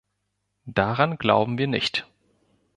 Daran glauben wir nicht.